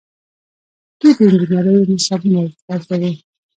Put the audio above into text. دوی د انجنیری نصابونه ارزوي.